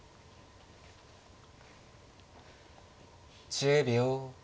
１０秒。